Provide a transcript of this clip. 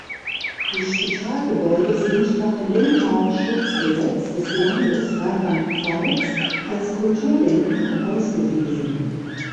Die Spitalgebäude sind nach dem Denkmalschutzgesetz des Landes Rheinland-Pfalz als Kulturdenkmal ausgewiesen.